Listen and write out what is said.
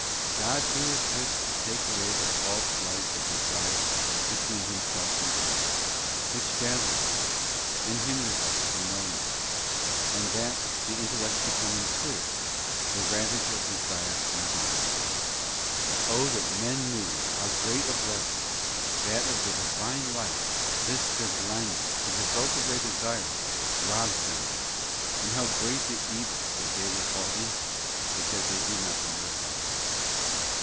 God doeth this to take away the false light of desire between Himself and us, which dazzles us, and hinders us from knowing Him; and that, the intellect becoming clear, the ravage of desire may be repaired. Oh that men knew how great a blessing, that of the Divine Light, this their blindness, the result of their desires, robs them of, and how great the evils they daily fall into, because they do not mortify them.